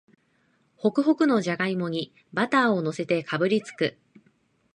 ホクホクのじゃがいもにバターをのせてかぶりつく